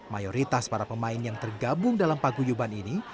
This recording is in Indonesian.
mayoritas para pemain yang tergabung dalam paguyuban ini